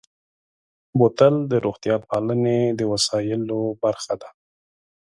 بوتل د روغتیا پالنې د وسایلو برخه ده.